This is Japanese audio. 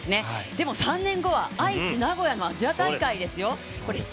でも３年後は、愛知・名古屋もアジア大会ですよ。